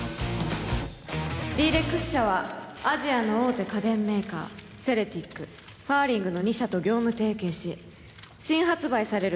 Ｄ−ＲＥＸ社はアジアの大手家電メーカーセレティックファーリングの２社と業務提携し新発売される